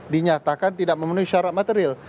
dinyatakan tidak memenuhi syarat material